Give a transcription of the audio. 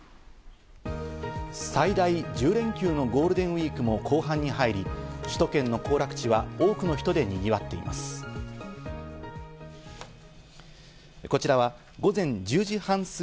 最大１０連休のゴールデンウイークも後半に入り、首都圏の行楽地は多くの人でにぎわっています。